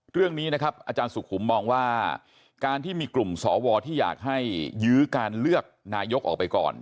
เรื่องนี้นะครับอาจารย์สุขุมมองว่าการที่มีกลุ่มสวที่อยากให้ยื้อการเลือกนายกออกไปก่อน